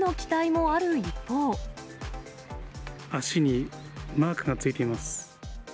足にマークがついています。